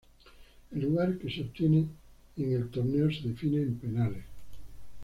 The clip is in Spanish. El lugar que se obtiene en el torneo se define en penales.